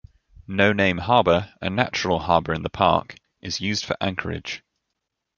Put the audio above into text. No Name Harbor, a natural harbor in the park, is used for anchorage.